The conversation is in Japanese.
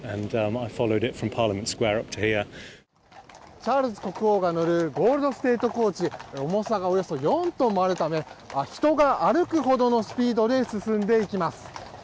チャールズ国王が乗るゴールド・ステート・コーチ重さがおよそ４トンもあるため人が歩くほどのスピードで進んでいきます。